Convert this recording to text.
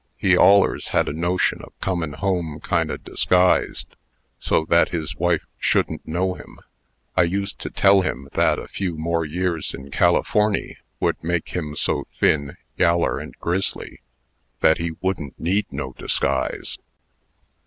He allers had a notion of comin' home kind o' disguised, so that his wife shouldn't know him. I used to tell him that a few more years in Californy would make him so thin, yaller, and grizzly, that he wouldn't need no disguise."